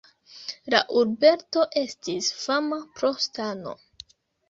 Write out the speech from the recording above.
La urbeto estis fama pro stano.